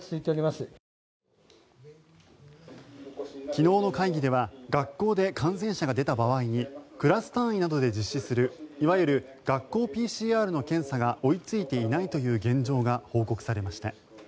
昨日の会議では学校で感染者が出た場合にクラス単位などで実施するいわゆる学校ＰＣＲの検査が追いついていないという現状が報告されました。